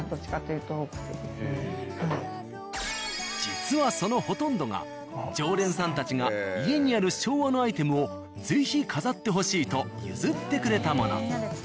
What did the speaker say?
実はそのほとんどが常連さんたちが家にある昭和のアイテムを是非飾ってほしいと譲ってくれたもの。